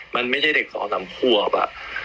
มันไม่ใช่เด็กสองสามขวบ